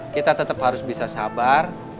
kita tetap harus bisa sabar